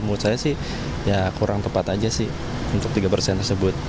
menurut saya sih ya kurang tepat aja sih untuk tiga persen tersebut